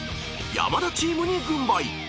［山田チームに軍配］